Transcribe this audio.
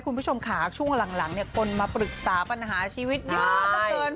คุณผู้ชมขาช่วงหลังคนมาปรึกษาปัญหาชีวิตเยอะเกิน